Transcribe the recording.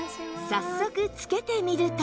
早速着けてみると